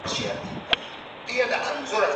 په لویه جرګه کي د مخدره توکو پر وړاندي څه مبارزه کېږي؟